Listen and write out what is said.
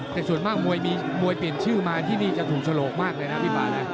แต่ส่วนมากมวยมีมวยเปลี่ยนชื่อมาที่นี่จะถูกฉลกมากเลยนะพี่ป่านะ